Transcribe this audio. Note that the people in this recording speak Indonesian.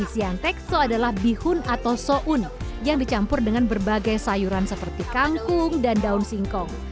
isian tekso adalah bihun atau soun yang dicampur dengan berbagai sayuran seperti kangkung dan daun singkong